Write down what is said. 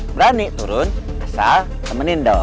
berani turun asal temenin dong